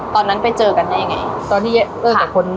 ตอนนั้นไปเจอกันได้ไงตอนที่อื่นแต่คนค่ะ